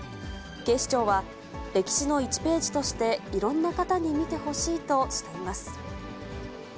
警視庁は歴史の１ページとして、いろんな方に見てほしいとしています。